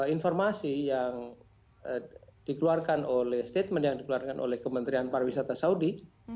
informasi yang dikeluarkan oleh statement yang dikeluarkan oleh kementerian pariwisata saudi